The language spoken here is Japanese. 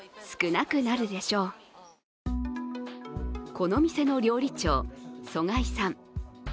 この店の料理長、曽我井さん。